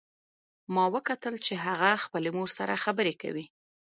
ما وکتل چې هغه خپلې مور سره خبرې کوي